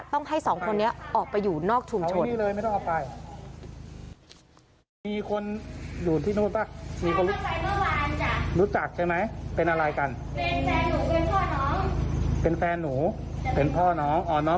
ต้องให้สองคนนี้ออกไปอยู่นอกชุมชน